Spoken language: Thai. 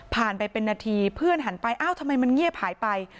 ไปเป็นนาทีเพื่อนหันไปอ้าวทำไมมันเงียบหายไป